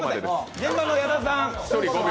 現場の矢田さん。